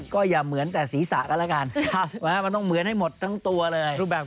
ก็อย่าเหมือนแต่ศีรษะกันแล้วกันมันต้องเหมือนให้หมดทั้งตัวเลย